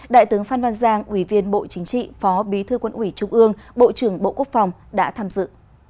đại tướng phan văn giang ủy viên bộ chính trị phó bí thư quân ủy trung ương bộ trưởng bộ quốc phòng đã tham dự